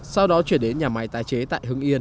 sau đó chuyển đến nhà máy tái chế tại hưng yên